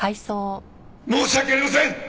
申し訳ありません！